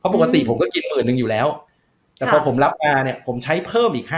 เพราะปกติผมก็กิน๑๐๐๐๐อยู่แล้วแต่พอผมรับมาเนี่ยผมใช้เพิ่มอีก๕๐๐๐